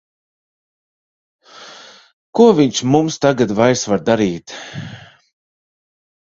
Ko viņš mums tagad vairs var darīt!